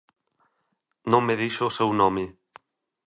Non me dixo o seu nome.